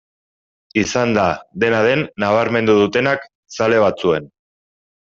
Izan da, dena den, nabarmendu dutenak zale batzuen.